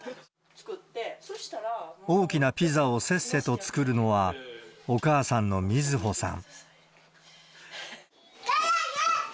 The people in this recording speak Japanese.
大きなピザをせっせと作るのは、お母さんの瑞穂さん。